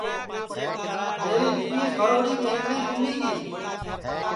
میری ریپئیس بھروڑی میکھݪی گُمی گی